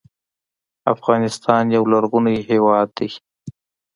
افغانستان یو لرغونی هیواد دی.